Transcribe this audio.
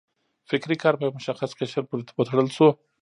فکري کار په یو مشخص قشر پورې وتړل شو.